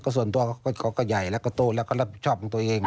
ส่วนตัวเขาก็ใหญ่แล้วก็โตแล้วก็รับผิดชอบของตัวเอง